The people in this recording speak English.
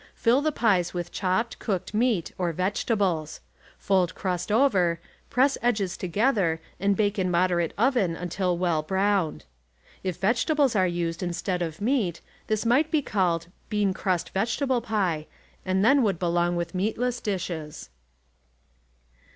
Fill the pies with chopped, cooked meat or vegetables. Fold crust over, press edges together and bake in moderate oven until well browned. If vegetables are used instead of meat, this might be called "bean crust vegetable pie'" and would tlien belong with meatless dishes.